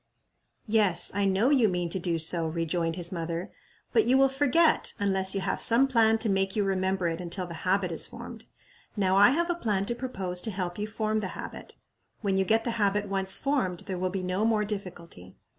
"Yes, I know you mean to do so," rejoined his mother, "but you will forget, unless you have some plan to make you remember it until the habit is formed. Now I have a plan to propose to help you form the habit. When you get the habit once formed there will be no more difficulty.